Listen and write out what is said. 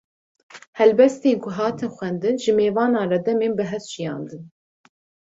Helbestên ku hatin xwendin, ji mêvanan re demên bi hest jiyandin